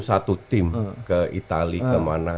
satu tim ke itali ke mana